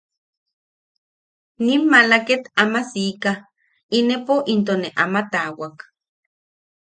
Nim maala ket ama sika, inepo into ne ama taawak.